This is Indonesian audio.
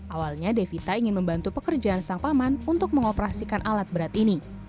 awalnya devita ingin membantu pekerjaan sang paman untuk mengoperasikan alat berat ini